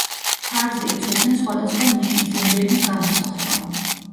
ფარზე იცოდნენ სხვადასხვა ნიშნის, ემბლემის გამოსახვა.